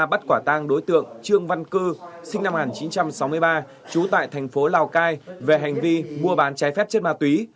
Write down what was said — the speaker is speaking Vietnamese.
bắt quả tang đối tượng trương văn cư sinh năm một nghìn chín trăm sáu mươi ba trú tại thành phố lào cai về hành vi mua bán trái phép chất ma túy